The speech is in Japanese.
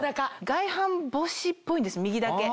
外反母趾っぽいんです右だけ。